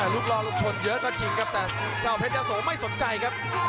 รอลูกชนเยอะก็จริงครับแต่เจ้าเพชรยะโสไม่สนใจครับ